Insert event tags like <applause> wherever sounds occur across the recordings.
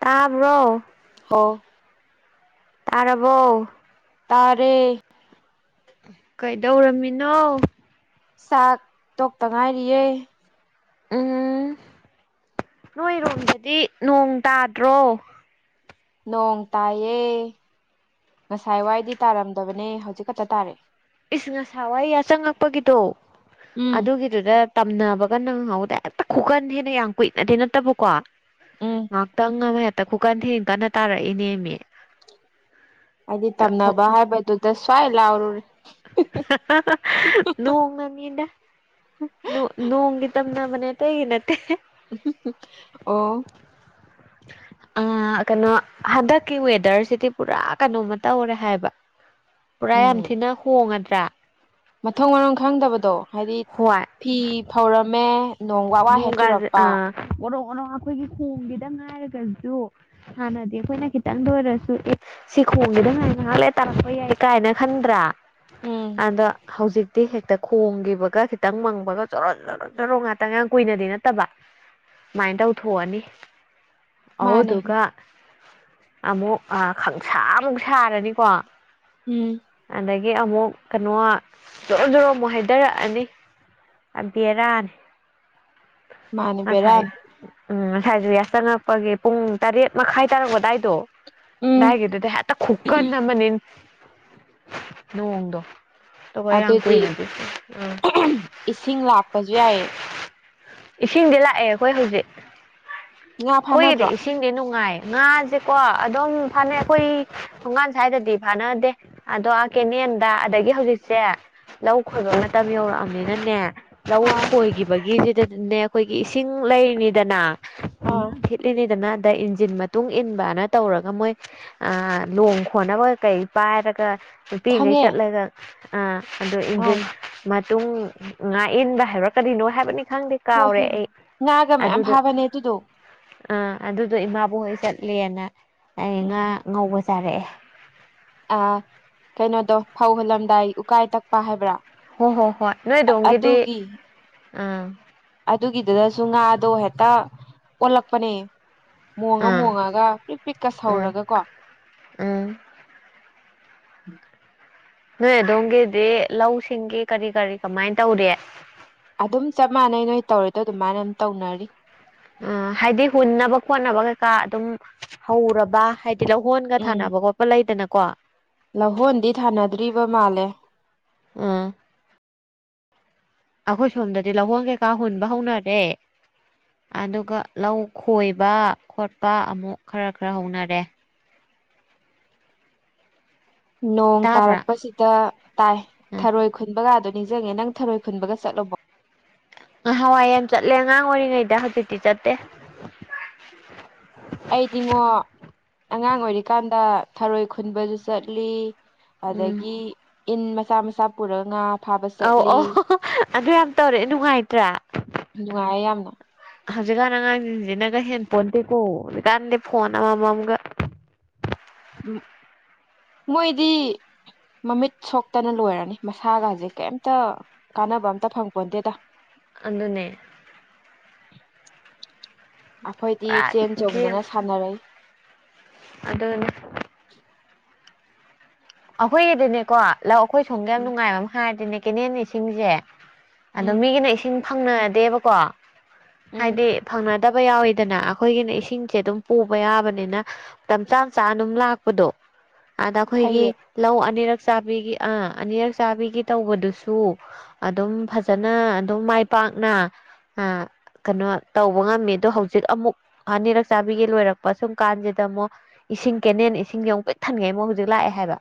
ꯇꯥꯕ꯭ꯔꯣ ꯑꯣ ꯇꯥꯔꯕꯣ ꯇꯥꯔꯦ ꯀꯩꯗꯧꯔꯝꯃꯤꯅꯣ ꯆꯥꯛ ꯇꯣꯛꯇ ꯉꯥꯏꯔꯤꯌꯦ ꯎꯝ ꯅꯣꯏꯔꯣꯝꯗꯗꯤ ꯅꯣꯡ ꯇꯥꯗ꯭ꯔꯣ ꯅꯣꯡ ꯇꯥꯏꯌꯦ ꯉꯁꯥꯏ ꯋꯥꯏꯗꯤ ꯇꯥꯔꯝꯗꯕꯅꯦ ꯍꯧꯖꯤꯛ ꯈꯇ ꯇꯥꯔꯦ ꯏꯁ ꯉꯁꯥꯏꯋꯥꯏ ꯌꯥꯆꯪꯉꯛꯄꯒꯤꯗꯣ ꯎꯝ ꯑꯗꯨꯒꯤꯗꯨꯗ ꯇꯝꯅ ꯕꯒ ꯅꯪꯍꯧꯗꯦ ꯍꯦꯛꯇ ꯈꯨꯀꯟ ꯊꯤꯅ ꯌꯥꯝ ꯀꯨꯏꯅꯗꯤ ꯅꯠꯇꯕꯀꯣ ꯎꯝ ꯉꯥꯛꯇꯪ ꯑꯃ <unintelligible> ꯈꯨꯀꯟ ꯊꯤꯅ ꯀꯟꯅ ꯇꯥꯔꯛꯏꯅꯦꯃꯤ ꯑꯩꯗꯤ ꯑꯗꯣ ꯇꯝꯅꯕ ꯍꯥꯏꯕꯗꯨꯗ ꯁ꯭ꯋꯥꯏ ꯂꯥꯎꯔꯨꯔꯦ ꯅꯣꯡꯅꯅꯤꯗ ꯅꯣ ꯅꯣꯡꯒꯤ ꯇꯝꯅꯕꯅꯦ ꯑꯇꯩꯒꯤ ꯅꯠꯇꯦ ꯑꯣ ꯑ ꯀꯩꯅꯣ ꯍꯟꯗꯛꯀꯤ ꯋꯦꯗ꯭ꯔꯁꯤꯗꯤ ꯄꯨꯔꯥ ꯀꯅꯣꯃ ꯇꯧꯔꯦ ꯍꯥꯏꯕ ꯄꯨꯔꯥ ꯌꯥꯝ ꯎꯝ ꯊꯤꯅ ꯍꯣꯡꯉꯗ꯭ꯔꯥ ꯃꯊꯣꯡ ꯃꯔꯝ ꯈꯪꯗꯕꯗꯣ ꯍꯥꯏꯗꯤ ꯍꯣꯏ ꯐꯤ ꯐꯧꯔꯝꯃꯦ ꯅꯣꯡ ꯋꯥ ꯋꯥ ꯍꯦꯛ ꯆꯨꯔꯛꯄ <unintelligible> ꯑꯈꯣꯏꯒꯤ ꯈꯣꯡꯒꯤꯗ ꯉꯥꯏꯔꯒꯖꯨ ꯍꯥꯟꯅꯗꯤ ꯑꯈꯣꯏꯅ ꯈꯤꯇꯪꯗ ꯑꯣꯏꯔꯁꯨ ꯁꯦ ꯈꯣꯡꯒꯤꯗ ꯉꯥꯏ ꯉꯥꯍꯥꯛ ꯂꯩ ꯇꯥꯔꯛꯄ ꯌꯥꯏ ꯀꯥꯏꯅ ꯈꯟꯗ꯭ꯔꯥ ꯎꯝ ꯑꯗꯣ ꯍꯧꯖꯤꯛꯇꯤ ꯍꯦꯛꯇ ꯈꯣꯡꯒꯤꯕꯒ ꯈꯤꯇꯪ ꯃꯪꯕꯒ ꯖꯣꯔꯣꯖꯣꯔꯣꯖꯣꯔꯣ ꯉꯥꯛ ꯇꯪꯒ ꯀꯨꯏꯅꯗꯤ ꯅꯠꯇꯕ ꯁꯨꯃꯥꯏꯟ ꯇꯧꯊꯣꯛꯑꯅꯤ ꯃꯥꯅꯦ ꯑꯗꯨꯗꯨꯒ ꯑꯃꯨꯛ ꯑꯥ ꯈꯪꯁꯥ ꯑꯃꯨꯛ ꯁꯥꯔꯅꯤꯀꯣ ꯎꯝ ꯑꯗꯒꯤ ꯑꯃꯨꯛ ꯀꯅꯣ ꯖꯣꯔꯣ ꯖꯣꯔꯣ ꯑꯃꯨꯛ ꯍꯩꯗꯔꯛꯑꯅꯤ ꯕꯦꯔꯥꯅꯦ ꯃꯥꯅꯦ ꯉꯁꯥꯏ ꯕꯦꯔꯥꯅꯤ ꯎꯝ ꯉꯁꯥꯏꯖꯨ ꯌꯥꯆꯪꯉꯛꯄꯒꯤ ꯄꯨꯡ ꯇꯔꯦꯠ ꯃꯈꯥꯏ ꯇꯥꯔꯛꯄ ꯑꯗꯥꯏꯗꯣ ꯎꯝ ꯑꯗꯥꯢꯒꯤꯗꯨꯗ ꯍꯦꯇ ꯈꯨꯀꯟ ꯑꯃꯅꯦ ꯅꯣꯡꯗꯣ ꯇꯨꯒ ꯌꯥꯝ ꯑꯗꯨꯗꯤ ꯀꯨꯢꯅꯗꯤ ꯎꯝ ꯏꯁꯤꯡ ꯂꯥꯛꯄꯁꯨ ꯌꯥꯏꯌꯦ ꯏꯁꯤꯡꯗꯤ ꯂꯥꯛꯑꯦ ꯑꯩꯈꯣꯏ ꯍꯧꯖꯤꯛ ꯉꯥ ꯈꯣꯏꯒꯤꯗꯤ ꯐꯥꯅꯗ꯭ꯔꯣ ꯏꯁꯤꯡꯗꯤ ꯅꯨꯡꯉꯥꯏꯌꯦ ꯉꯥꯖꯦꯀꯣ ꯑꯗꯨꯝ ꯐꯥꯅꯩ ꯑꯈꯣꯏ ꯊꯣꯡꯒꯥꯟ ꯁꯥ꯭ꯏꯗꯗꯤ ꯐꯥꯅꯗꯦ ꯑꯗꯣ ꯑꯥ ꯀꯦꯅꯦ ꯗ ꯑꯗꯒꯤ ꯍꯧꯖꯤꯛꯁꯦ ꯂꯧ ꯈꯣꯏꯕ ꯃꯇꯝ ꯌꯧꯔꯛꯑꯝꯅꯤꯅꯅꯦ ꯂꯧ ꯑꯥ ꯈꯣꯏꯒꯤꯕꯒꯤꯁꯤꯗꯅꯦ ꯈꯣꯏꯒꯤ ꯏꯁꯤꯡ ꯂꯩꯔꯤꯅꯤꯗꯅ ꯑꯥ <unintelligible> ꯗ ꯏꯟꯖꯤꯟ ꯃꯇꯨꯡ ꯏꯟꯕꯅ ꯇꯧꯔꯒ ꯃꯣꯏ ꯑꯥ ꯂꯣꯡ ꯈꯣꯟꯅꯕ ꯀꯀꯩ ꯄꯥꯏꯔꯒ ꯅꯨꯄꯤꯒꯩ ꯈꯪꯉꯦ ꯆꯠꯂꯒ ꯑ ꯑꯗꯨ ꯑꯥ ꯏꯟꯖꯤꯟ ꯃ ꯇꯨꯡ ꯉꯥꯛꯏꯟꯕ ꯍꯥꯏꯕ꯭ꯔꯥ ꯀꯔꯤꯅꯣ ꯍꯥꯏꯕꯅꯤ ꯈꯪ ꯍꯣꯏ ꯀꯥꯎꯔꯦ ꯍꯣꯏ ꯑꯩ ꯉꯥꯒ ꯃꯌꯥꯝ ꯑꯗꯨꯗ ꯐꯥꯕꯅꯦ ꯑꯗꯨꯗꯣ ꯑꯥ ꯑꯗꯨꯗꯣ ꯏꯃꯥꯕꯣꯛ ꯍꯣꯏ ꯆꯠꯂꯦꯅ ꯑꯩ ꯉꯥ ꯎꯝ ꯉꯧꯕ ꯆꯥꯔꯛꯑꯦ ꯑꯥ ꯀꯩꯅꯣꯗꯣ ꯐꯧ ꯍꯜꯂꯝꯗꯥꯏ ꯎꯀꯥꯏ ꯇꯛꯄ ꯍꯥꯏꯕ꯭ꯔꯥ ꯍꯣ ꯍꯣ ꯍꯣꯏ ꯅꯣꯏ ꯗꯣꯝꯒꯤꯗꯤ ꯑꯗꯨꯒꯤ ꯎꯝ ꯑꯗꯨꯒꯤꯗꯨꯗꯁꯨ ꯉꯥꯗꯣ ꯍꯦꯛꯇ ꯑꯣꯜꯂꯛꯄꯅꯦ ꯃꯣꯡꯉ ꯑꯥ ꯃꯣꯡꯉꯒ ꯄꯤꯛ ꯄꯤꯛꯀ ꯎꯝ ꯁꯧꯔꯒꯀꯣ <inaudible> ꯎꯝ ꯅꯣꯏ ꯑꯗꯣꯝꯒꯤꯗꯤ ꯂꯧꯁꯤꯡꯒꯤ ꯀꯔꯤ ꯀꯔꯤ ꯀꯃꯥꯏꯟ ꯇꯧꯔꯤ ꯑꯗꯨꯝ ꯆꯞ ꯃꯥꯟꯅꯩ ꯅꯣꯏ ꯇꯧꯔꯤꯗꯣ ꯑꯗꯨꯃꯥꯏꯅ ꯗꯨꯝ ꯇꯧꯅꯔꯤ ꯑ ꯍꯥꯏꯗꯤ ꯍꯨꯟꯅꯕ ꯈꯣꯠꯅꯕ ꯀꯩꯀꯥ ꯑꯗꯨꯝ ꯍꯧꯔꯕ ꯍꯥꯏ ꯂꯧꯍꯣꯟꯒ ꯎꯝ ꯊꯥꯅꯕ ꯈꯣꯠꯄ ꯂꯩꯗꯅꯀꯣ ꯑꯥ ꯂꯧꯍꯣꯟꯗꯤ ꯊꯥꯅꯗ꯭ꯔꯤꯕ ꯃꯥꯜꯂꯦ ꯑꯈꯣꯏ ꯁꯣꯝꯗꯗꯤ ꯂꯧꯍꯣꯟ ꯀꯩꯀꯥ ꯍꯨꯟꯕ ꯍꯧꯅꯔꯦ ꯑꯗꯨꯒ ꯂꯧ ꯈꯣꯏꯕ ꯈꯣꯠꯄ ꯑꯃꯨꯛ ꯈꯔ ꯈꯔ ꯍꯧꯅꯔꯦ ꯅꯣꯡ ꯇꯥꯕ꯭ꯔꯥ ꯇꯥꯔꯛꯄꯁꯤꯗ ꯇꯥꯏ ꯎꯝ ꯊꯔꯣꯏ ꯈꯨꯟꯕꯒꯥꯗꯣ ꯅꯤꯡꯖꯪꯉꯦ ꯅꯪ ꯊꯔꯣꯏ ꯈꯨꯟꯕꯒ ꯆꯠꯂꯕꯣ ꯅꯍꯥꯋꯥꯏ ꯌꯥꯝ ꯆꯠꯂꯦ ꯑꯉꯥꯡ ꯑꯣꯏꯔꯤꯉꯩꯗ ꯍꯧꯖꯤꯛꯇꯤ ꯆꯠꯇꯦ ꯑꯩꯗꯤꯉꯣ ꯑꯉꯥꯡ ꯑꯣꯏꯔꯤꯀꯥꯟꯗ ꯊꯔꯣꯏ ꯈꯨꯟꯕꯁꯨ ꯆꯠꯂꯤ ꯎꯝ ꯑꯗꯒꯤ ꯏꯟ ꯃꯆꯥ ꯃꯆꯥ ꯄꯨꯔ ꯉꯥ ꯐꯥꯕ ꯑꯧ ꯆꯠꯂꯤ ꯑꯣ ꯍꯣ ꯍꯣ ꯑꯗꯨ ꯌꯥꯝ ꯇꯧꯔꯛꯑꯦ ꯅꯨꯡꯉꯥꯏꯇ꯭ꯔꯥ ꯅꯨꯡꯉꯥꯏꯌꯦ ꯌꯥꯝꯅ ꯍꯧꯖꯤꯛꯀꯥꯟ ꯑꯉꯥꯡꯖꯤꯡꯖꯤꯅꯒ ꯍꯦꯟꯄꯣꯟꯇꯦꯀꯣ ꯍꯧꯖꯤꯛꯀꯥꯟꯗꯤ ꯐꯣꯟ ꯑꯃꯃꯝꯒ <inaudible> ꯃꯣꯏꯗꯤ ꯃꯃꯤꯠ ꯁꯣꯛꯇꯅ ꯂꯣꯏꯔꯅꯤ ꯃꯁꯥꯒꯥꯖꯦ ꯀꯩꯝ ꯇ ꯀꯥꯟꯅꯕ ꯑꯝꯇ ꯐꯪ ꯄꯣꯟꯇꯦꯗ ꯑꯗꯨꯅꯦ ꯑꯩꯈꯣꯏꯗꯤ ꯄꯨꯔꯥ ꯆꯦꯟ ꯆꯣꯡꯗꯅ ꯒꯦꯝ ꯁꯥꯟꯅꯔꯛꯏ ꯑꯗꫭ ꯅꯪ ꯑꯈꯣꯏꯒꯤꯗꯤꯅꯦꯀꯣ ꯂꯧ ꯑꯩꯈꯣꯏ ꯁꯣꯝꯒꯤ ꯌꯥꯝ ꯎꯝ ꯅꯨꯡꯉꯥꯏꯕ ꯑꯃ ꯍꯥꯏꯔꯗꯤꯅꯦ ꯀꯦꯅꯦꯟ ꯏꯁꯤꯡꯖꯦ ꯑꯗꯨꯝ ꯎꯝ ꯃꯤꯒꯤꯅ ꯏꯁꯤꯡ ꯐꯪꯅꯗꯦꯕꯀꯣ ꯎꯝ ꯍꯥꯏꯗꯤ ꯐꯪꯅ ꯗꯕ ꯌꯥꯎꯋꯤꯗꯅ ꯑꯩꯈꯣꯏꯒꯤꯅ ꯏꯁꯤꯡꯁꯦ ꯑꯗꯨꯝ ꯄꯨꯕ ꯌꯥꯕꯅꯤꯅ ꯃꯇꯝ ꯆꯥ ꯆꯥ ꯑꯗꯨꯝ ꯂꯥꯛꯄꯗꯣ ꯑꯗ ꯈꯣꯏꯒꯤ ꯐꯩꯌꯦ ꯂꯧ ꯑꯅꯤꯔꯛ ꯆꯥꯕꯤꯒꯤ ꯑꯥ ꯑꯅꯤꯔꯛ ꯆꯥꯕꯤꯒꯤ ꯇꯧꯕꯗꯨꯁꯨ ꯑꯗꯨꯝ ꯐꯖꯅ ꯑꯗꯨꯝ ꯃꯥꯏ ꯄꯥꯛꯅ ꯑꯥ ꯀꯅꯣ ꯇꯧꯕ ꯉꯝꯃꯤ ꯑꯗꯣ ꯍꯧꯖꯤꯛ ꯑꯃꯨꯛ ꯑꯅꯤꯔꯛ ꯆꯥꯕꯤꯒꯤ ꯂꯣꯏꯔꯛꯄ ꯁꯨꯝ ꯀꯥꯟꯁꯤꯗ ꯑꯃꯨꯛ ꯏꯁꯤꯡ ꯀꯦꯅꯦꯟ ꯏꯁꯤꯡꯖꯦ ꯑꯃꯨꯛ ꯄꯤꯛ ꯊꯟꯒꯩ ꯑꯃꯨꯛ ꯍꯧꯖꯤꯛ ꯂꯥꯛꯑꯦ ꯍꯥꯏꯕ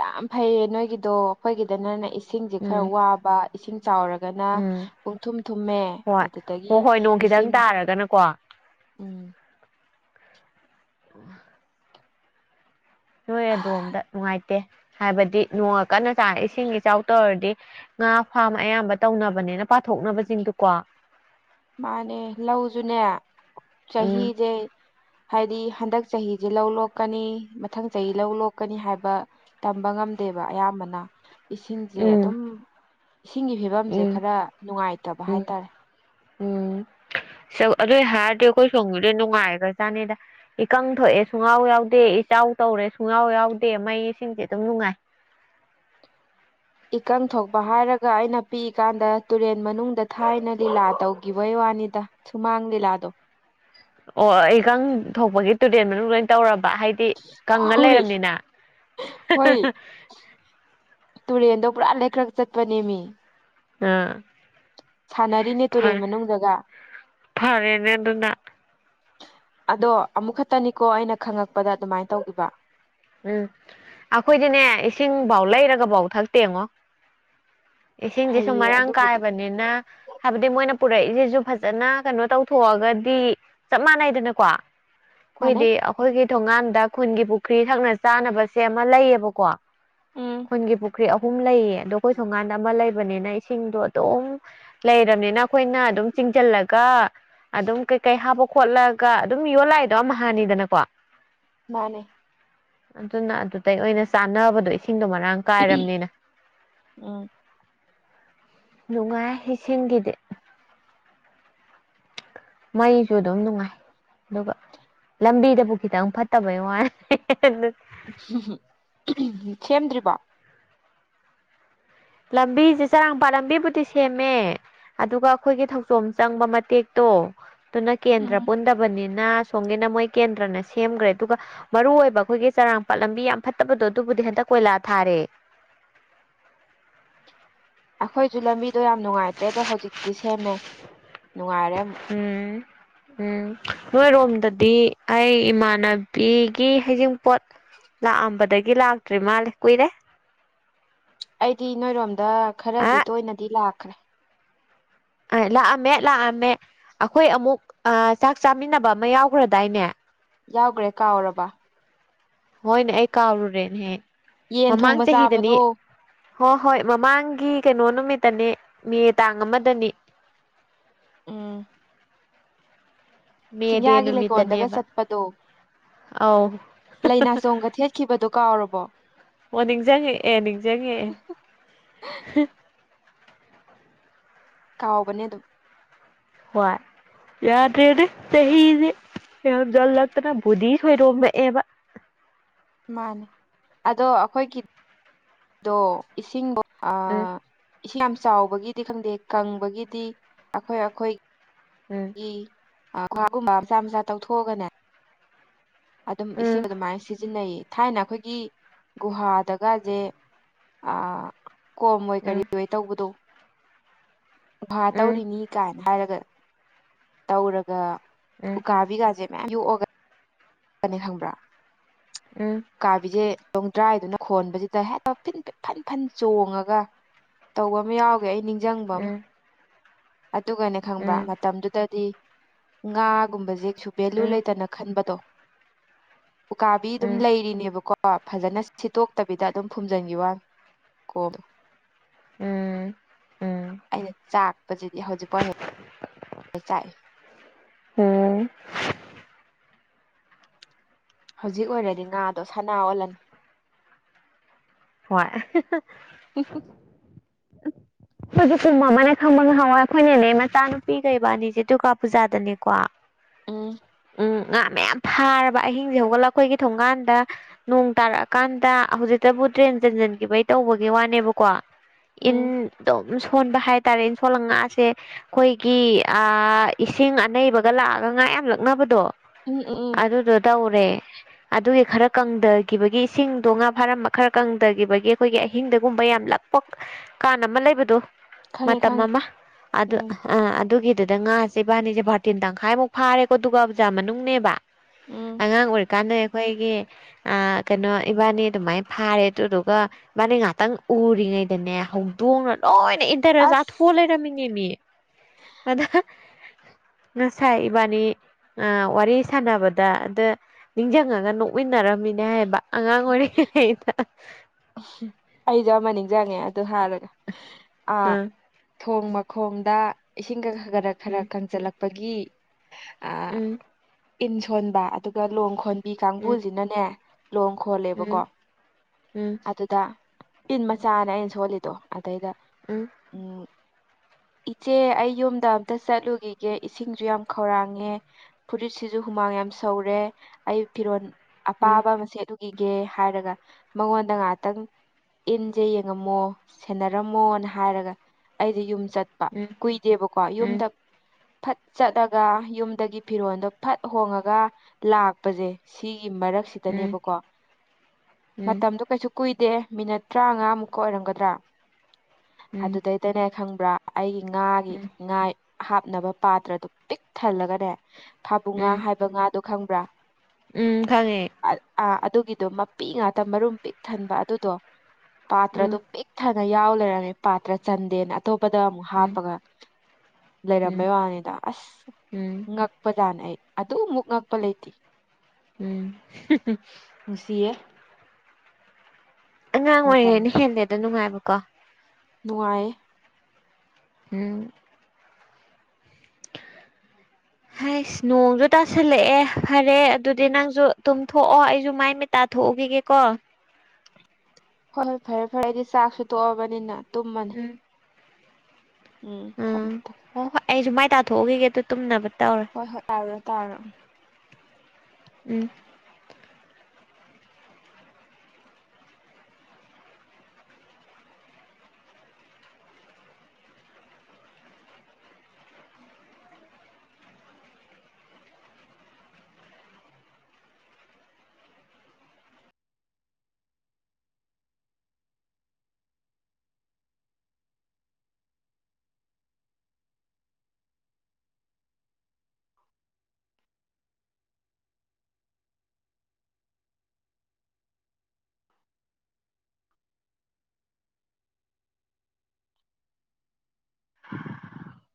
ꯌꯥꯝ ꯐꯩꯌꯦ ꯅꯣꯏꯒꯤꯗꯣ ꯑꯩꯈꯣꯏꯒꯤꯗꯅꯅꯦ ꯏꯁꯤꯡꯁꯦ ꯈꯔ ꯎꯝ ꯋꯥꯕ ꯏꯁꯤꯡ ꯆꯥꯎꯔꯒꯅ ꯎꯝ ꯄꯨꯡꯊꯨꯝ ꯊꯨꯝꯃꯦ ꯍꯣꯏ ꯑꯗꯨꯗꯒꯤ ꯍꯣꯏ ꯍꯣꯏ ꯅꯣꯡ ꯈꯤꯇꯪ ꯏꯁꯤꯡ ꯇꯥꯔꯒꯅꯀꯣ ꯎꯝ <inaudible> ꯅꯣꯏ ꯑꯗꯣꯝꯗ ꯅꯨꯡꯉꯥꯏꯇꯦ ꯍꯥꯏꯕꯗꯤ ꯅꯣꯡꯒ ꯀꯟꯅ ꯇꯥꯔ ꯏꯁꯤꯡ ꯏꯆꯥꯎ ꯇꯧꯔꯗꯤ ꯉꯥ ꯐꯥꯝ ꯑꯌꯥꯝꯕ ꯇꯧꯅꯕꯅꯦꯅ ꯄꯥꯊꯣꯛꯅꯕꯖꯤꯡꯗꯨꯀꯣ ꯃꯥꯅꯦ ꯂꯧꯖꯨꯅꯦ ꯎꯝ ꯆꯍꯤꯖꯦ ꯍꯥꯏꯗꯤ ꯍꯟꯗꯛ ꯆꯍꯤꯖꯦ ꯂꯧ ꯂꯣꯛꯀꯅꯤ ꯃꯊꯪ ꯆꯍꯤ ꯂꯧ ꯂꯣꯛꯀꯅꯤ ꯍꯥꯏꯕ ꯇꯝꯕ ꯉꯝꯗꯦꯕ ꯑꯌꯥꯝꯕꯅ ꯏꯁꯤꯡꯖꯦ ꯎꯝ ꯑꯗꯨꯝ ꯏꯁꯤꯡꯒꯤ ꯐꯤꯕꯝꯖꯦ ꯎꯝ ꯈꯔ ꯅꯨꯡꯉꯥꯏꯇꯕ ꯎꯝ ꯍꯥꯏꯇꯥꯔꯦ ꯎꯝ ꯑꯗꯨꯏ ꯍꯥꯏꯔꯗꯤ ꯑꯈꯣꯏ ꯁꯣꯝꯒꯤꯗꯤ ꯅꯨꯡꯉꯥꯏꯒ꯭ꯔꯖꯥꯠꯅꯤꯗ ꯏꯀꯪ ꯊꯣꯛꯑꯦ ꯁꯨꯡꯌꯥꯎ ꯌꯥꯎꯗꯦ ꯏꯆꯥꯎ ꯇꯧꯔꯦ ꯁꯨꯡꯌꯥꯎ ꯌꯥꯎꯗꯦ ꯃꯩ ꯏꯁꯤꯡꯖꯦ ꯑꯗꯨꯝ ꯅꯨꯡꯉꯥꯏ ꯏꯀꯪ ꯊꯣꯛꯄ ꯍꯥꯏꯔꯒ ꯑꯩꯅ ꯄꯤꯛꯏꯀꯥꯟꯗ ꯇꯨꯔꯦꯟ ꯃꯅꯨꯡꯗ ꯊꯥꯏꯅ ꯂꯤꯂꯥ ꯇꯧꯒꯤꯕꯩ ꯋꯥ ꯅꯤꯗ ꯁꯨꯃꯥꯡ ꯂꯤꯂꯥꯗꯣ ꯑꯣ ꯏꯀꯪ ꯊꯣꯛꯄꯒꯤ ꯇꯨꯔꯦꯟ ꯃꯅꯨꯡꯗ ꯑꯣꯏꯅ ꯇꯧꯔ ꯕ ꯍꯥꯏꯗꯤ ꯀꯪꯉ ꯍꯣꯏ ꯂꯩꯔꯝꯅꯤꯅ ꯍꯣꯏ ꯇꯨꯔꯦꯟꯗꯣ ꯄꯨꯔꯥ ꯂꯩꯀ꯭ꯔꯛ ꯆꯠꯄꯅꯦꯃꯤ ꯎꯝ ꯁꯥꯟꯅꯔꯤꯅꯦ ꯇꯨꯔꯦꯟ ꯃꯅꯨꯡꯗꯒ ꯐꯔꯦꯅꯦ ꯑꯗꯨꯅ ꯑꯗꯣ ꯑꯃꯨꯛ ꯈꯇꯅꯤꯀꯣ ꯑꯩꯅ ꯈꯪꯉꯛꯄꯗ ꯑꯗꯨꯝꯃꯥꯏ ꯇꯧꯒꯤꯕ ꯎꯝ ꯑꯈꯣꯏꯗꯤꯅꯦ ꯏꯁꯤꯡꯕꯥꯎ ꯂꯩꯔꯒꯕꯥꯎ ꯊꯛꯇꯦꯉꫭ ꯏꯁꯤꯡꯖꯦ ꯁꯨꯝ ꯐꯩꯌꯦ ꯃꯔꯥꯡ ꯑꯗꯨꯕꯨꯗꯤ ꯀꯥꯏꯕꯅꯤꯅ ꯍꯥꯏꯕꯗꯤ ꯃꯣꯏꯅ ꯄꯨꯔꯛꯏꯖꯤꯖꯨ ꯐꯖꯅ ꯀꯩꯅꯣ ꯇꯧꯊꯣꯛꯑꯒꯗꯤ ꯆꯞ ꯃꯥꯟꯅꯩꯗꯅꯀꯣ ꯃꯥꯟꯅꯩ ꯑꯈꯣꯏꯗꯤ ꯑꯈꯣꯏꯒꯤ ꯊꯣꯡꯒꯥꯟꯗ ꯈꯨꯟꯒꯤ ꯄꯨꯈ꯭ꯔꯤ ꯊꯛꯅ ꯆꯥꯅꯕꯁꯦ ꯑꯃ ꯂꯩꯌꯦꯕꯀꯣ ꯎꯝ ꯈꯨꯟꯒꯤ ꯄꯨꯈ꯭ꯔꯤ ꯑꯍꯨꯝ ꯂꯩꯌꯦ ꯑꯗꯣ ꯑꯈꯣꯏ ꯊꯣꯡꯒꯥꯟꯗ ꯑꯃ ꯂꯩꯕꯅꯤꯅ ꯏꯁꯤꯡꯗꯣ ꯑꯗꯨꯝ ꯂꯩꯔꯝꯅꯤꯅ ꯑꯩꯈꯣꯏꯅ ꯑꯗꯨꯝ ꯆꯤꯡꯖꯜꯂꯒ ꯑꯗꯨꯝ ꯀꯩꯀꯩ ꯍꯥꯞꯄ ꯈꯣꯠꯂꯒ ꯑꯗꯨꯝ ꯌꯣꯜ ꯥꯂꯥꯛꯏꯗꯣ ꯑꯝꯍꯥꯅꯤꯗꯅꯀꯣ ꯃꯥꯅꯦ ꯑꯗꯨꯅ ꯑꯗꯨꯗꯩ ꯑꯣꯏꯅ ꯆꯥꯟꯅꯕꯗꯣ ꯏꯁꯤꯡꯗꯣ ꯃꯔꯥꯡ ꯀꯥꯏꯔꯝꯅꯤꯅ ꯎꯝ ꯅꯨꯡꯉꯥꯏ ꯏꯁꯤꯡꯒꯤꯗꯤ ꯃꯩꯁꯨ ꯗꯨꯝ ꯅꯨꯡꯉꯥꯏ ꯑꯗꯨꯒ ꯂꯝꯕꯤꯗꯕꯨ ꯈꯤꯇꯪ ꯐꯠꯇꯕꯩ ꯋꯥꯅꯦ ꯁꯦꯝꯗ꯭ꯔꯤꯕꯣ ꯂꯝꯕꯤꯁꯦ ꯆꯔꯥꯡꯄꯥꯠ ꯂꯝꯕꯤꯕꯨꯗꯤ ꯁꯦꯝꯃꯦ ꯑꯗꯨꯒ ꯑꯈꯣꯏꯒꯤ ꯊꯛꯆꯣꯝ ꯆꯪꯕ ꯃꯇꯦꯛꯇꯣ ꯇꯣ ꯗꯨꯨꯅ ꯀꯦꯟꯗ꯭ꯔ ꯎꯝ ꯄꯨꯟꯗꯕꯅꯤ ꯅ ꯁꯣꯝꯒꯤꯅ ꯃꯣꯏ ꯀꯦꯟꯗ꯭ꯔꯅ ꯁꯦꯝꯒ꯭ꯔꯦ ꯗꯨꯒ ꯃꯔꯨꯑꯣꯏꯕ ꯑꯩꯈꯣꯏꯒꯤ ꯆꯔꯥꯡꯄꯥꯠ ꯂꯝꯕꯤ ꯌꯥꯝ ꯐꯠꯇꯕꯗꯣ ꯑꯗꯨꯕꯨ ꯗꯤ ꯍꯟꯇꯛ ꯀꯣꯏꯂꯥ ꯊꯥꯔꯦ ꯑꯈꯣꯏꯁꯨ ꯂꯝꯕꯤꯗꯣ ꯌꯥꯝ ꯅꯨꯡꯉꯥꯏꯇ꯭ꯔꯦ ꯗꯣ ꯍꯧꯖꯤꯛꯇꯤ ꯁꯦꯝꯃꯦ ꯅꯨꯡꯉꯥꯏꯔꯦ ꯑꯃꯨꯛ ꯎꯝ ꯎꯝ ꯅꯣꯏꯔꯣꯝꯗꯗꯤ ꯑꯩ ꯏꯃꯥꯟꯅꯕꯤꯒꯤ ꯍꯩꯖꯤꯡꯄꯣꯠ ꯂꯥꯛꯑꯝꯕꯗꯒꯤ ꯂꯥꯛꯇ꯭ꯔꯤ ꯃꯥꯜꯂꯦ ꯀꯨꯏꯔꯦ ꯑꯩꯗꯤ ꯅꯣꯏꯔꯣꯝꯗ ꯑ ꯈ꯭ꯔꯗꯤ ꯇꯣꯏꯅꯗꯤ ꯂꯥꯛꯈ꯭ꯔꯦ ꯑ ꯂꯥꯛꯑꯝꯃꯦ ꯂꯥꯛꯑꯝꯃꯦ ꯑꯈꯣꯏ ꯑꯃꯨꯛ ꯑꯥ ꯆꯥꯛ ꯆꯥꯃꯤꯟꯅꯕ ꯑꯃ ꯌꯥꯎꯈ꯭ꯔꯗꯥꯏꯅꯦ ꯌꯥꯎꯒ꯭ꯔꯦ ꯀꯥꯎꯔꯕ ꯍꯣꯏꯅꯦ ꯑꯩ ꯀꯥꯎꯔꯨꯔꯦꯅꯦꯍꯦ ꯌꯦꯟ ꯃꯃꯥꯡ ꯊꯣꯡꯕ ꯆꯥꯕꯗꯣ ꯆꯍꯤꯗꯅꯤ ꯍꯣ ꯍꯣꯏ ꯃꯃꯥꯡꯒꯤ ꯀꯩꯅꯣ ꯅꯨꯃꯤꯠꯇꯅꯤ ꯃꯦ ꯇꯥꯡ ꯑꯃꯗꯅꯤ ꯎꯝ ꯃꯦ ꯗꯦ ꯆꯤꯡꯌꯥꯒꯤ ꯂꯩꯀꯣꯜꯗꯒ ꯅꯨꯃꯤꯠꯇꯅꯦꯕ ꯆꯠꯄꯗꯣ ꯑꯧ ꯂꯩꯅꯥꯆꯣꯡꯒ ꯊꯦꯠꯈꯤꯕꯗꯣ ꯀꯥꯎꯔꯕꯣ ꯑꯣ ꯅꯤꯡꯖꯪꯉꯛꯑꯦ ꯅꯤꯡꯖꯪꯉꯛꯑꯦ ꯀꯥꯎꯕꯅꯦ ꯗꯨꯝ ꯍꯣꯏ ꯌꯥꯗ꯭ꯔꯦꯅꯦ ꯆꯍꯤꯖꯦ ꯌꯥꯝ ꯖꯜꯂꯛꯇꯅ ꯕꯨꯗꯤ ꯁꯣꯏꯔꯣꯝꯃꯛꯑꯦꯕ ꯃꯥꯅꯦ ꯑꯗꯣ ꯑꯈꯣꯏꯒꯤ ꯗꯣ ꯏꯁꯤꯡꯗꯣ ꯎꯝ ꯑꯥ ꯏꯁꯤꯡ ꯌꯥꯝ ꯆꯥꯎꯕꯒꯤꯗꯤ ꯈꯪꯗꯦ ꯀꯪꯕꯒꯤꯗꯤ ꯑꯈꯣꯏ ꯑꯈꯣꯏ ꯎꯝ <unintelligible> ꯃꯆꯥ ꯃꯆꯥ ꯇꯧꯊꯣꯛꯑꯒꯅꯦ ꯑꯗꯨꯝ ꯏꯁꯤꯡ ꯎꯝ ꯑꯗꯨꯃꯥꯏꯅ ꯁꯤꯖꯤꯟꯅꯩꯌꯦ ꯊꯥꯏꯅ ꯑꯩꯈꯣꯏꯒꯤ ꯒꯨꯍꯥꯗꯒꯥꯖꯦ ꯑꯥ ꯀꯣꯝꯑꯣꯏ ꯀꯔꯤ ꯑꯣꯏ ꯇꯧꯕꯗꯣ ꯒꯨꯍ ꯎꯝ ꯇꯧꯔꯤꯅꯤ ꯀꯥꯏꯟ ꯍꯥꯏꯔꯒ ꯇꯧꯔꯒ ꯎꯝ ꯎꯀꯥꯕꯤꯒꯥꯖꯦ ꯃꯌꯥꯝ ꯌꯣꯛꯑꯒꯅꯦ ꯈꯪꯕ꯭ꯔꯥ ꯎꯝ ꯀꯥꯕꯤꯁꯦ ꯂꯣꯡꯗ꯭ꯔꯥꯏꯗꯨꯅ ꯈꯣꯟꯕꯁꯤꯗ ꯍꯦꯛꯇ ꯐꯤꯗꯤꯡ ꯐꯟ ꯐꯟ ꯆꯣꯡꯉꯒ ꯇꯧꯕ ꯑꯝ ꯌꯥꯎꯒꯦ ꯑꯩ ꯅꯤꯡꯖꯪꯕ ꯎꯝ ꯎꯝ ꯑꯃ ꯑꯗꯨꯒꯅꯦ ꯎꯝ ꯎꯝ ꯈꯪꯕ꯭ꯔ ꯃꯇꯝꯗꯨꯗꯗꯤ ꯉꯥꯒꯨꯝꯕꯖꯤ ꯀꯩꯁꯨ ꯚꯦꯂꯨ ꯂꯩꯇꯅ ꯈꯟꯕꯗꯣ ꯎꯀꯥꯕꯤ ꯗꯨꯝ ꯎꯝ ꯂꯩꯔꯤꯅꯦꯕꯀ ꯀꯣ ꯐꯖꯅ ꯁꯤꯠꯇꯣꯛꯇꯕꯤꯗ ꯑꯗꯨꯝ ꯐꯨꯝꯖꯟꯒꯤꯕꯥꯅꯤ ꯀꯣꯝꯗ ꯎꯝ ꯎꯝ ꯑꯩꯅ ꯆꯥꯛꯄꯖꯤꯗꯤ ꯍꯧꯖꯤꯛꯐꯥꯎ ꯍꯦꯛ ꯆꯥꯛꯏ ꯎꯝ ꯍꯧꯖꯤꯛ ꯑꯣꯏꯔꯗꯤ ꯉꯥꯗꯣ ꯁꯅꯥ ꯑꯣꯜꯂꯅꯤ <unintelligible> ꯍꯦꯍꯦ <inaudible> ꯈꯣꯏꯁꯨ ꯀꯨꯝꯑꯃꯅꯦ ꯈꯪꯕ꯭ꯔ ꯉꯍꯥꯋꯏ ꯑꯩꯈꯣꯏꯅꯦꯅꯦ ꯃꯆꯥꯅꯨꯄꯤꯒ ꯑꯕꯅꯤꯁꯦ ꯗꯨꯔꯒꯄꯨꯖꯥꯗꯅꯦꯀꯣ ꯎꯝ ꯎꯝ ꯉꯥ ꯃꯌꯥꯝ ꯐꯥꯔꯕ ꯑꯍꯤꯡꯁꯦ ꯍꯧꯒꯠꯂ ꯑꯩꯈꯣꯏꯒꯤ ꯊꯣꯡꯒꯥꯟꯗ ꯅꯣꯡ ꯇꯥꯔꯛꯑꯀꯥꯟꯗ ꯍꯧꯖꯤꯛꯇꯕꯨ ꯗ꯭ꯔꯦꯟ ꯆꯟꯁꯤꯟꯈꯤꯕꯩ ꯇꯧꯕꯒꯤ ꯋꯥꯅꯦꯕꯀꯣ ꯏꯟ ꯎꯝ ꯑꯗꯨꯝ ꯁꯣꯟ ꯍꯥꯏꯇꯔꯦꯏꯟ ꯁꯣꯜꯂꯒ ꯥꯁꯦ ꯑꯩꯈꯣꯏꯒꯤ ꯑ ꯏꯁꯤꯡ ꯑꯅꯩꯕ ꯂꯛꯑꯒꯉꯥ ꯌꯥꯝ ꯂꯛꯅꯕꯗꯣ ꯎꯝ ꯎꯝ ꯎꯝ ꯑꯗꯨꯗꯣ ꯇꯧꯔꯦ ꯑꯗꯨꯒꯤ ꯈꯔ ꯀꯪꯊꯈꯤꯕꯒꯤ ꯏꯁꯤꯡꯗꯣ ꯉꯥ ꯐꯥꯔꯝ ꯈꯔ ꯀꯪꯊꯈꯤꯕꯒꯤ ꯑꯩꯈꯣꯏꯒꯤ ꯑꯍꯤꯡꯗꯒꯨꯝꯕ ꯌꯥꯝ ꯂꯛꯄ ꯀꯥꯟ ꯑꯃ ꯂꯩꯕꯗꯣ ꯈꯪꯉꯤ ꯃꯇꯝ ꯈꯪꯉꯤ ꯑꯃ ꯑꯗꯨ ꯎꯝ ꯑꯥ ꯑꯗꯨꯒꯤ ꯑꯗꯨꯗ ꯉꯥꯁꯦ ꯏꯕꯅꯤꯁꯦ ꯕꯔꯇꯤꯟ ꯇꯪꯈꯥꯏꯃꯨꯛꯀ ꯐꯥꯔꯦꯀꯣ ꯗꯨꯒꯥ ꯄꯨꯖꯥ ꯃꯅꯨꯡꯅꯦꯕ ꯎꯝ ꯑꯉꯥꯡ ꯑꯣꯏꯔꯤꯀꯥꯟꯗ ꯑꯩꯈꯣꯏꯒꯤꯑꯥ ꯀꯩꯅꯣ ꯏꯕꯥꯅꯤ ꯑꯗꯨꯃꯥꯏ ꯐꯥꯔꯦ ꯑꯗꯨꯗꯨꯒ ꯏꯕꯅꯤ ꯉꯛꯇꯪ ꯎꯔꯤꯉꯩꯗꯅꯦ ꯍꯧꯗꯣꯡꯅ ꯂꯣꯏꯅ ꯏꯟꯇꯔꯅ ꯑꯁ ꯆꯊꯣꯛ ꯑ ꯂꯩꯔꯃꯤꯅꯤꯃꯤ ꯑꯗ ꯉꯁꯥꯏ ꯏꯕꯥꯅꯤꯑꯥ ꯋꯥꯔꯤ ꯁꯥꯟꯅꯕꯗ ꯑꯗ ꯅꯤꯡꯁꯤꯡꯉꯒ ꯅꯣꯛꯃꯤꯟꯅꯔꯝꯃꯤ ꯅꯦꯕꯥꯍꯥꯏꯕ ꯑꯉꯥꯡ ꯑꯣꯏꯔꯤꯉꯩꯗ ꯑꯩꯁꯨ ꯑꯃ ꯅꯤꯡꯁꯤꯛꯑꯦ ꯑꯗꯨ ꯍꯥꯏꯔꯒ ꯑꯥ ꯎꯝ ꯊꯣꯡ ꯃꯈꯣꯡꯗ ꯏꯁꯤꯡꯒ ꯈ ꯈꯔ ꯈꯔ ꯎꯝ ꯀꯪꯁꯤꯜꯂꯛꯄꯒꯤ ꯑꯥ ꯎꯝ ꯏꯟ ꯁꯣꯟꯕ ꯑꯗꯨꯒ ꯂꯣꯡ ꯈꯣꯟꯕꯤ ꯎꯝ ꯀꯥꯡꯕꯨꯁꯤꯅꯅꯦ ꯂꯣꯡ ꯈꯣꯜꯂꯦꯕꯀꯣ ꯎꯝ ꯎꯝ ꯗ ꯏꯟ ꯃꯆꯥꯅꯦ ꯑꯩꯅ ꯁꯣꯜꯂꯤꯗꯣ ꯑꯗꯩꯗ ꯎꯝ <inaudible> ꯏꯆꯦ ꯑꯩ ꯌꯨꯝꯗ ꯑꯝꯇ ꯆꯠꯂꯨꯈꯤꯒꯦ ꯏꯁꯤꯡꯁꯨ ꯌꯥꯝ ꯈꯧꯔꯥꯡꯉꯦ ꯐꯨꯔꯤꯠꯁꯤꯁꯨ ꯍꯨꯃꯥꯡ ꯌꯥꯝ ꯁꯧꯔꯦ ꯑꯩ ꯐꯤꯔꯣꯜ ꯎꯝ ꯑꯄꯥꯕ ꯑꯃꯁꯦꯠꯂꯨꯒꯤꯒꯦ ꯍꯥꯏꯔꯒ ꯃꯉꯣꯟꯗ ꯉ ꯇꯪ ꯏꯟꯁꯦ ꯌꯦꯡꯉꯝꯃꯣ ꯁꯦꯟꯅꯔꯝꯃꯣꯅ ꯍꯥꯏꯔꯒ ꯑꯩꯗꯤ ꯌꯨꯝ ꯆꯠꯄ ꯎꯝ ꯎꯝ ꯎꯝ ꯀꯨꯏꯗꯦꯕꯀꯣ ꯌꯨꯝꯗ ꯐꯠ ꯆꯠꯂꯒ ꯌꯨꯝꯗꯒꯤ ꯐꯤꯔꯣꯜꯗꯣ ꯐꯠ ꯍꯣꯡꯉꯒ ꯂꯥꯛꯄꯁꯦ ꯁꯤ ꯁꯤꯒꯤ ꯃꯔꯛꯁꯤꯗꯅꯦꯕꯀꯣ ꯃꯇꯝꯗꯣ ꯀꯩꯁꯨ ꯀꯨꯏꯗꯦ ꯃꯤꯅꯠ ꯇ꯭ꯔꯥꯉꯥꯃꯨꯛꯀ ꯑꯣꯏꯔꯝꯒꯗ꯭ꯔꯥ ꯎꯝ ꯎꯝ ꯑꯗꯨꯗꯩꯗꯅꯦ ꯈꯪꯕ꯭ꯔꯥ ꯑꯩꯒꯤ ꯉꯥꯒꯤ ꯉꯥ ꯍꯥꯞꯅꯕ ꯄꯥꯇ꯭ꯔꯗꯨ ꯄꯤꯛ ꯊꯜꯂꯒꯅꯦ ꯐꯥꯕꯨꯡꯉꯥ ꯎꯝ ꯍꯥꯏꯕ ꯉꯥꯗꯣ ꯈꯪꯕ꯭ꯔꯥ ꯎꯝ ꯈꯪꯉꯦ ꯑꯥ ꯑꯗꯨꯒꯤꯗꯣ ꯃꯄꯤ ꯉꯥꯛꯇ ꯃꯔꯨꯝ ꯄꯤꯛ ꯊꯟꯕ ꯑꯗꯨꯗꯣ ꯎꯝ ꯄꯥꯇ꯭ꯔꯗꯣ ꯄꯤꯛ ꯊꯟ ꯅ ꯌꯥꯎ ꯂꯩꯔꯝꯃꯦ ꯄꯥꯇ꯭ꯔ ꯆꯟꯗꯦꯅ ꯑꯇꯣꯞꯄꯗ ꯑꯃꯨꯛ ꯎꯝ ꯍꯥꯞꯄꯒ ꯂꯩꯔꯝꯕꯩ ꯎꯝ ꯋꯥꯅꯤꯗ ꯑꯁ ꯎꯝ ꯉꯛꯄꯖꯥꯠꯅꯦ ꯑꯩ ꯑꯗꯨꯃꯨꯛ ꯉꯛꯄ ꯂꯩꯇꯦ ꯎꯝ ꯅꯨꯡꯁꯤꯌꯦ ꯑꯉꯥꯡ ꯃꯇꯝ ꯑꯣꯏꯔꯤꯉꯩꯅ ꯍꯦꯜꯂꯦꯗ ꯅꯨꯡꯉꯥꯏꯕꯀꯣ ꯅꯨꯡꯉꯥꯏꯌꯦ ꯎꯝ <inaudible> ꯍꯥꯢꯁ ꯅꯣꯡꯁꯨ ꯇꯥꯁꯜꯂꯛꯑꯦ ꯐꯔꯦ ꯑꯗꯨꯗꯤ ꯅꯪꯁꯨ ꯇꯨꯝꯊꯣꯛꯑꯣ ꯑꯩꯁꯨ ꯃꯥꯏ ꯃꯤꯠ ꯃꯇꯥꯊꯣꯛꯎ ꯈꯤꯒꯦꯀꯣ ꯍꯣꯌ -ꯍꯣꯌ ꯐꯔꯦ- ꯐꯔꯦ ꯑꯩꯗꯤ ꯆꯥꯛꯁꯨ ꯇꯣꯛꯑꯕꯅꯤꯅ ꯇꯨꯝꯃꯅꯤ ꯎꯝ ꯎꯪ ꯊꯝꯊꯝ ꯑꯩꯖꯨ ꯃꯥꯏ ꯇꯥꯊꯣꯛꯎꯈꯤꯒꯦ ꯑꯗꯨ ꯇꯨꯝꯅꯕ ꯍꯣꯌ ꯍꯣꯌ ꯇꯥꯔꯨꯔꯣ ꯇꯥꯔꯨꯔꯣ ꯎꯪ INAUDIBLE